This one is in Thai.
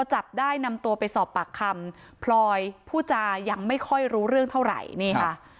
จับได้นำตัวไปสอบปากคำพลอยผู้จายังไม่ค่อยรู้เรื่องเท่าไหร่นี่ค่ะ